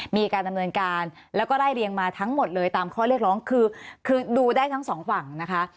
มีการดำเนินการแล้วก็ไล่เรียงมาทั้งหมดเลยตามข้อเรียกร้องคือดูได้ทั้งสองฝั่งนะคะ